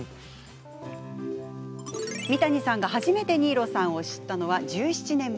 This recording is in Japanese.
三谷さんが初めて新納さんを知ったのは１７年前。